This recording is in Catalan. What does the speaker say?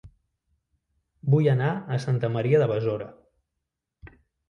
Vull anar a Santa Maria de Besora